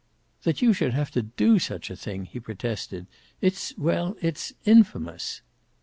"That you should have to do such a thing!" he protested. "It's well, it's infamous."